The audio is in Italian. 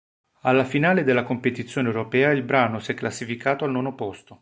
Alla finale della competizione europea il brano si è classificato al nono posto.